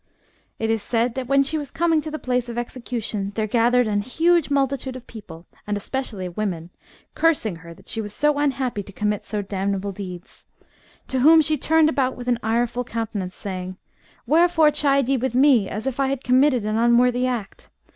It is said that when she was coming to the place of execution, there gathered ane huge multitude of people, and specially of women, cursing her that she was so unhappy to commit so damnable deeds. To whom she turned about with an ireful countenance, saying :—' Wherefore chide ye with me, as if I had committed ane unworthy act